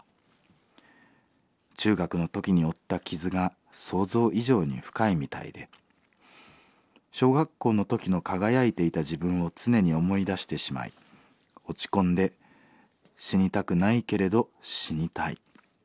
中学の時に負った傷が想像以上に深いみたいで小学校の時の輝いていた自分を常に思い出してしまい落ち込んで死にたくないけれど死にたい。